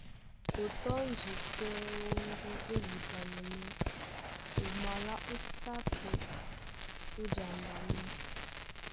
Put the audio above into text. O tɔ́ndi tɛ́ wɔ́ŋgɔ́ ó jipanɛ mɔ́, o malá ó sápi, ó janda mɔ́.